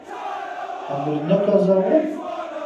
Ḥemmlen akk aẓawan?